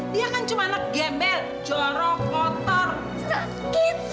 dia kan cuma anak gembel jorok kotor sakit